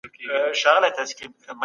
پوهان د زعفرانو پر طبي ګټو څېړنې کوي.